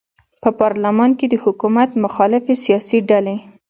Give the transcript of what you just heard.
په پارلمان کې د حکومت مخالفې سیاسي ډلې